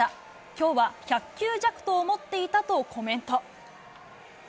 きょうは１００球弱と思っていたとコメント。